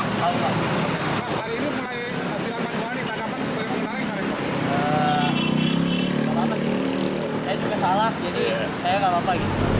eeeh gak apa apa saya juga salah jadi saya gak apa apa